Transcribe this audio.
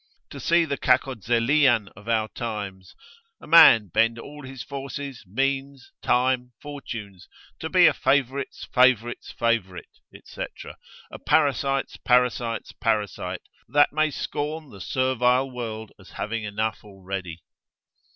To see the κακοζηλίαν of our times, a man bend all his forces, means, time, fortunes, to be a favorite's favorite's favorite, &c., a parasite's parasite's parasite, that may scorn the servile world as having enough already.